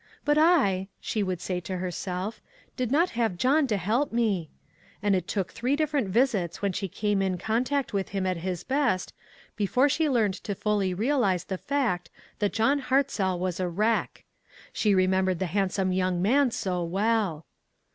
"But I," she would say to herself, "did not have John to help me," and it took three different visits when she came in contact with him at his best, before she learned to fully realize the fact that John Hartzell was a wreck. She re THE PAST AND THE PRESENT. I 87 membered the handsome young man so well